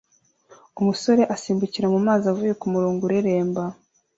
Umusore asimbukira mumazi avuye kumurongo ureremba